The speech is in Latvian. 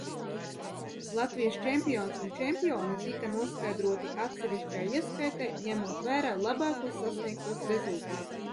Latvijas čempions un čempione tika noskaidroti atsevišķā ieskaitē, ņemot vērā labākos sasniegtos rezultātus.